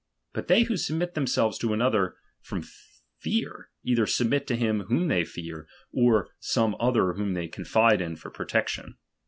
But they who submit themselves to another for fear, either submit to him whom they fear, or some other whom they confide in for protection.